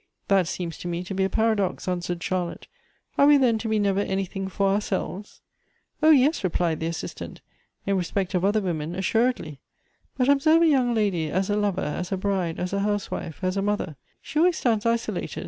" That seems to me to be a paradox," answered Char lotte. "Are we then to be never anything for our selves?" " O, yes !" replied the assistant. " In respect of other women assuredly. But observe a young lady as a lover, as a bride, as a housewife, as a mother. She always stands isolated.